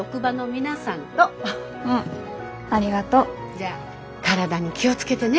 じゃあ体に気を付けてね。